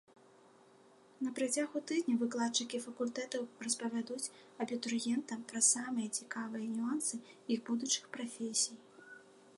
На працягу тыдня выкладчыкі факультэтаў распавядуць абітурыентам пра самыя цікавыя нюансы іх будучых прафесій.